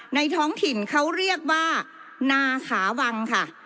ท้องถิ่นเขาเรียกว่านาขาวังค่ะ